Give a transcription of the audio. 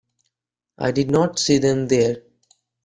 I did not see them there.